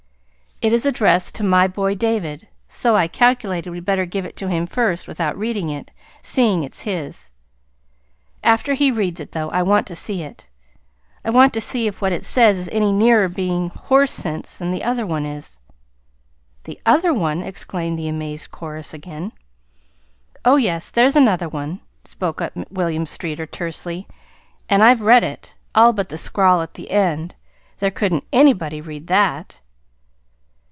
"It's addressed to 'My boy David,' so I calculated we'd better give it to him first without reading it, seeing it's his. After he reads it, though, I want to see it. I want to see if what it says is any nearer being horse sense than the other one is." "The other one!" exclaimed the amazed chorus again. "Oh, yes, there's another one," spoke up William Streeter tersely. "And I've read it all but the scrawl at the end. There couldn't anybody read that!"